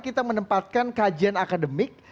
kita menempatkan kajian akademik